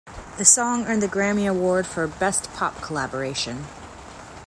The song earned the Grammy Award for "Best Pop Collaboration".